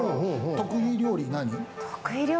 得意料理、何？